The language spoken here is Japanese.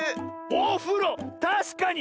おふろたしかに！